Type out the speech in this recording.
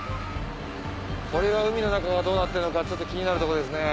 これは海の中がどうなってるのか気になるとこですね。